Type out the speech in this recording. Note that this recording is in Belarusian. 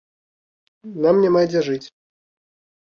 Нам няма дзе жыць.